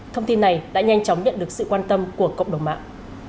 thông tin này đã nhanh chóng nhận được sự quan tâm của cộng đồng mạng